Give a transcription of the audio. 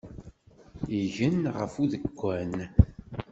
Igen ɣef udekkan.